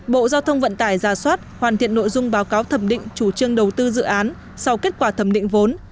bộ giao thông vận tải giả soát hoàn thiện nội dung báo cáo thẩm định chủ trương đầu tư dự án sau kết quả thẩm định vốn